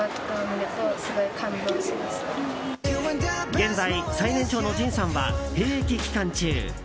現在、最年長のＪＩＮさんは兵役期間中。